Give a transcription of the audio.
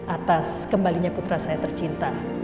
atas kembalinya putra saya tercinta